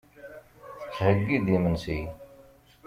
Tettheyyi-d imensi.